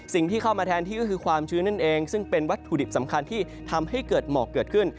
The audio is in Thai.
สิ่งที่เข้ามาแทนที่ก็คือความชื้นนั่นเองซึ่งเป็นวัตถุดิบสำคัญที่ทำให้เกิดหมอกเกิดขึ้น